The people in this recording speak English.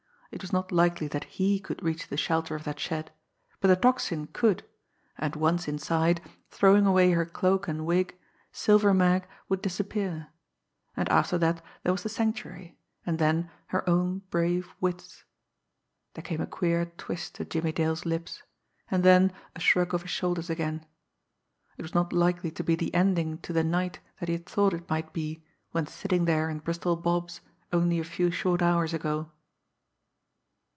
It was not likely that he could reach the shelter of that shed, but the Tocsin could, and, once inside, throwing away her cloak and wig, "Silver Mag" would disappear, and after that there was the Sanctuary, and then her own brave wits. There came a queer twist to Jimmie Dale's lips, and then a shrug of his shoulders again. It was not likely to be the ending to the night that he had thought it might be when sitting there in Bristol Bob's only a few short hours ago!